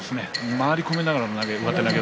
回り込みながらの上手投げ。